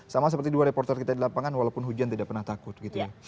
sama seperti dua reporter kita di lapangan walaupun hujan tidak pernah takut gitu